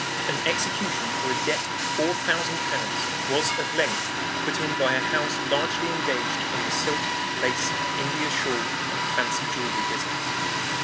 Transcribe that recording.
An execution for a debt of four thousand pounds was at length put in by a house largely engaged in the silk, lace, India shawl, and fancy jewelry business.